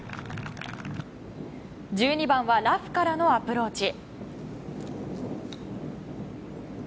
１２番はラフからのアプローチ。